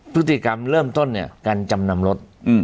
พฤติกรรมเริ่มต้นเนี่ยการจำนำรถ